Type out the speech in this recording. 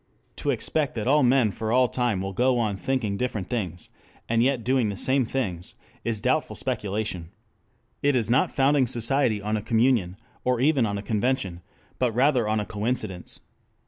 To expect that all men for all time will go on thinking different things, and yet doing the same things, is a doubtful speculation. It is not founding society on a communion, or even on a convention, but rather on a coincidence.